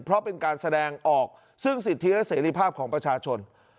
เพราะเป็นการแสดงออกซึ่งสิทธิและเสรีภาพของประชาชน